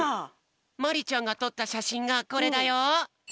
まりちゃんがとったしゃしんがこれだよ。